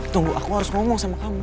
tunggu aku harus ngomong sama kamu